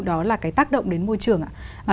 đó là cái tác động đến môi trường ạ